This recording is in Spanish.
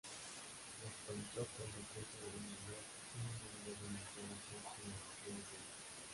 Los politopos de cruce en mayor número de dimensiones son generalizaciones de estos.